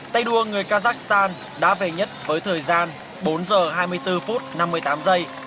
tay đua người kazakhstan đã về nhất với thời gian bốn giờ hai mươi bốn phút năm mươi tám giây